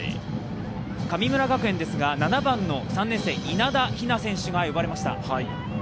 神村学園ですが７番の３年生、稲田雛選手が呼ばれました。